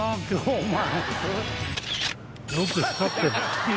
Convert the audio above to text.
お前。